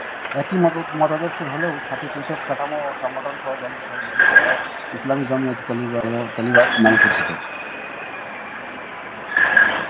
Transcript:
একই মতাদর্শের সাথে হলেও পৃথক কাঠামো ও সংগঠন সহ দলের মহিলা শাখা "ইসলামী জমিয়তে-ই-তালিবাত" নামে পরিচিত।